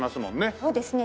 そうですね。